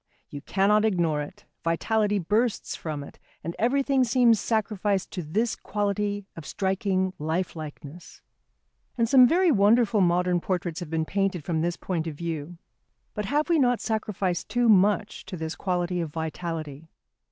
You cannot ignore it, vitality bursts from it, and everything seems sacrificed to this quality of striking lifelikeness. And some very wonderful modern portraits have been painted from this point of view. But have we not sacrificed too much to this quality of vitality?